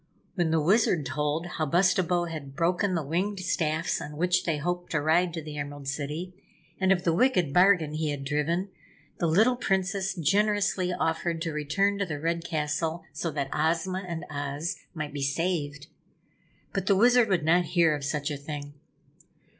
When the Wizard told how Bustabo had broken the winged staffs on which they hoped to ride to the Emerald City, and of the wicked bargain he had driven, the little Princess generously offered to return to the Red Castle so that Ozma and Oz might be saved. But the Wizard would not hear of such a thing.